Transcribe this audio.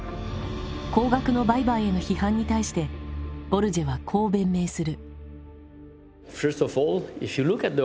高額の売買への批判に対してボルジェはこう弁明する。